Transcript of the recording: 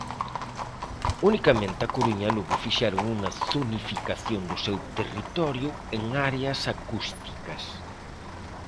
Unicamente A Coruña e Lugo fixeron unha zonificación do seu territorio en áreas acústicas.